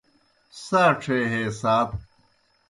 ساڇھے ہے ساعت